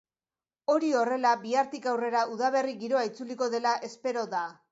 Hori horrela, bihartik aurrera udaberri giroa itzuliko dela espero da.